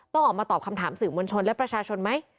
ต้องออกมาตอบคำถามสื่อมวลชนและประชาชนไหม